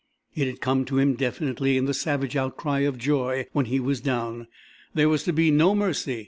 It had come to him definitely in the savage outcry of joy when he was down. There was to be no mercy.